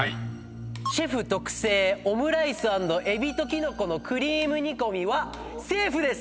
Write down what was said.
シェフ特製オムライス＆エビとキノコのクリーム煮込みはセーフです！